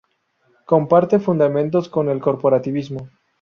Comparte fundamentos con el "corporativismo".